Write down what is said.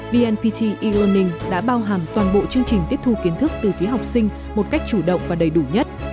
vnpt e learning đã bao hàm toàn bộ chương trình tiết thu kiến thức từ phía học sinh một cách chủ động và đầy đủ nhất